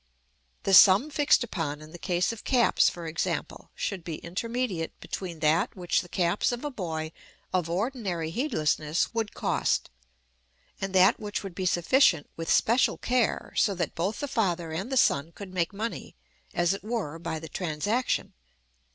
The sum fixed upon in the case of caps, for example, should be intermediate between that which the caps of a boy of ordinary heedlessness would cost, and that which would be sufficient with special care, so that both the father and the son could make money, as it were, by the transaction.